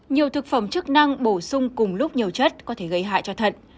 nhiều thực phẩm chức năng bổ sung cùng lúc nhiều chất có thể gây hại cho thận